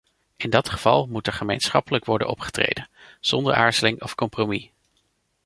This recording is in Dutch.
In dat geval moet er gemeenschappelijk worden opgetreden, zonder aarzeling of compromis.